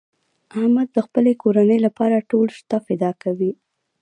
احمد د خپلې کورنۍ لپاره ټول شته فدا کوي.